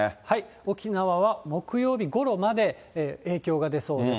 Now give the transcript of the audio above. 沖縄は木曜日ごろまで影響が出そうです。